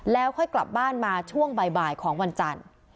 แล้วค่อยกลับบ้านมาช่วงบ่ายของวันจันทร์